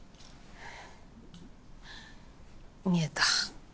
見えた。